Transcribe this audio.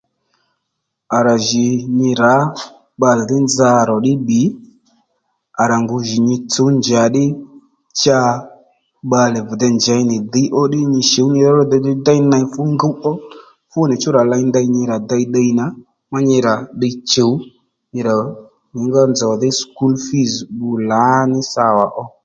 À ra jì nyi rǎ bbalè dhí nza rò ddí bbì à rà ngu jì nyi shǔw njàddí cha bbalè vi dey njèy nì dhǐy ó ddí nyi shǔ nyi ródho ddí déy ney fú ngúw ó fú nì chú rà ley ndey nyi rà dey ddiy nà ma nyi rà ddiy chùw nyi rà nyǐngá nzòw dhí skul fiz bbu làní sâwà ó